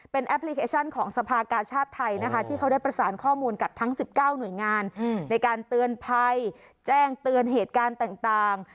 แอปพลิเคชันของสภากาชาติไทยนะคะที่เขาได้ประสานข้อมูลกับทั้ง๑๙หน่วยงานในการเตือนภัยแจ้งเตือนเหตุการณ์ต่าง